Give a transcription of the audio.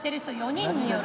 人による。